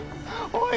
おい